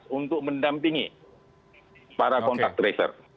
ketiga yang paling pentingnya para kontak tracer